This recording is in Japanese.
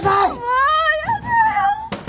もう嫌だよ。